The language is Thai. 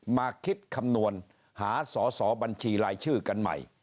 มาคิดคำนวณหาสอสอบัญชีรายชื่อกันใหม่